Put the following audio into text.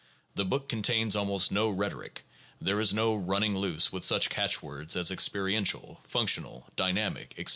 The book contains almost no rhetoric. There is no running loose with such catchwords as experiential, functional, dynamic, etc.